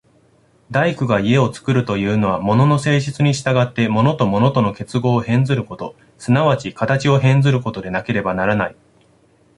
大工が家を造るというのは、物の性質に従って物と物との結合を変ずること、即ち形を変ずることでなければならない。